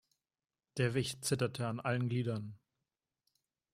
Der Wicht zitterte an allen Gliedern.